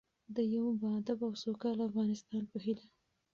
د یو باادبه او سوکاله افغانستان په هیله.